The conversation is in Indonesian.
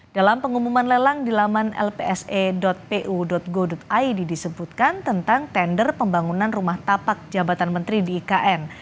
dalam pengumuman lelang di laman lpse pu go id disebutkan tentang tender pembangunan rumah tapak jabatan menteri di ikn